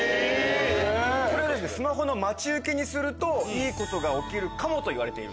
これスマホの待ち受けにするといいことが起きるかもといわれている。